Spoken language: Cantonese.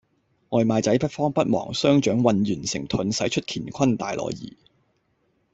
外賣仔不慌不忙，雙掌渾圓成盾，使出乾坤大挪移